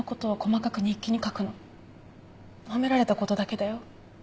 褒められたことだけだよ。